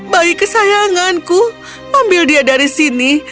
bayi kesayanganku ambil dia dari sini